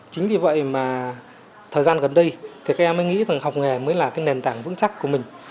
chính vì vậy mà thời gian gần đây thì các em mới nghĩ rằng học nghề mới là cái nền tảng vững chắc của mình